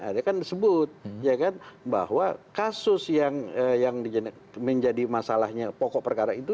dia kan disebut bahwa kasus yang menjadi masalahnya pokok perkara itu